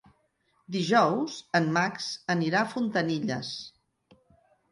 Dijous en Max anirà a Fontanilles.